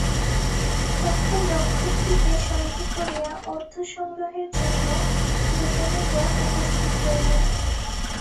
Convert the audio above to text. তখন রক্ষকটিকে সঙ্গে করিয়া অর্থসংগ্রহের জন্য দোকানে গিয়া উপস্থিত হইলেন।